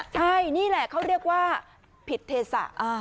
ใช่นี่แหละเขาเรียกว่าผิดเทศะ